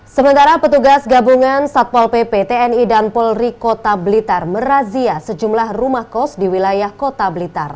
sementara petugas gabungan satpol pp tni dan polri kota blitar merazia sejumlah rumah kos di wilayah kota blitar